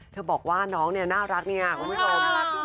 บอกว่าน้องเนี่ยน่ารักเนี่ยคุณผู้ชม